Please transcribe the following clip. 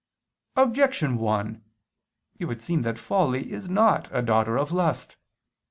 Objection 1: It would seem that folly is not a daughter of lust.